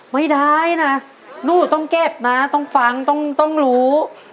ไม่ได้นะหนูต้องเก็บนะต้องฟังต้องรู้